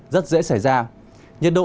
rất dễ xảy ra nhiệt độ